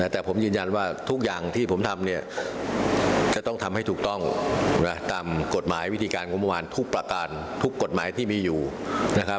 แต่ผมยืนยันว่าทุกอย่างที่ผมทำเนี่ยจะต้องทำให้ถูกต้องตามกฎหมายวิธีการงบประมาณทุกประการทุกกฎหมายที่มีอยู่นะครับ